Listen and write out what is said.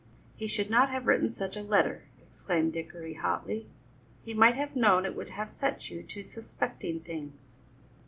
"He should not have written such a letter," exclaimed Dickory hotly; "he might have known it would have set you to suspecting things."